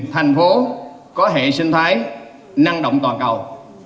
thành phố có hệ sinh thái năng động toàn cầu